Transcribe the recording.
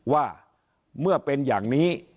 ว่าเมื่อเป็นอย่างนี้